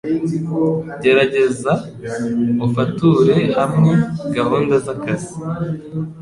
Geragezaa ufature hamwe gahunda zakazi